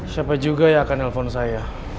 siapa juga yang akan nelfon saya